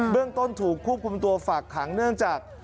เรื่องต้นถูกควบคุมตัวฝากขังเนื่องจาก